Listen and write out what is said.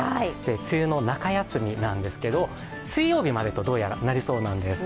梅雨の中休みなんですが水曜日までと、どうやらなりそうなんです。